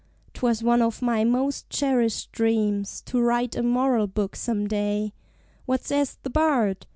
'Twas one of my most cherished dreams To write a Moral Book some day; What says the Bard?